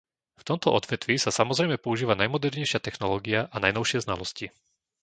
V tomto odvetví sa samozrejme používa najmodernejšia technológia a najnovšie znalosti.